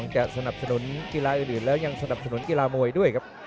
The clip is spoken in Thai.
สนับสนุนกีฬาอื่นแล้วยังสนับสนุนกีฬามวยด้วยครับ